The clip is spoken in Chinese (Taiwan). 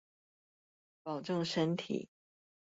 保重身體